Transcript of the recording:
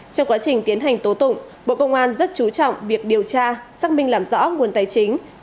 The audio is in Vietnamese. trong quá trình tiến hành tố tụng bộ công an rất chú trọng việc điều tra xác minh làm rõ nguồn tài chính